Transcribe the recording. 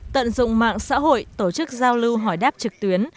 tận dụng mạng xã hội tổ chức giao lưu hỏi đáp trực tuyến